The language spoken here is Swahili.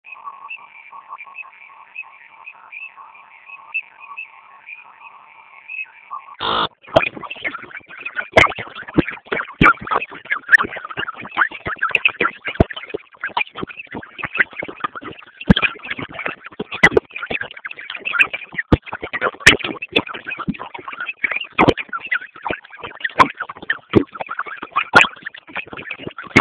Zaidi ya asilimia hamsini ya wanyama ambao hawajawahi kuugua homa ya mapafu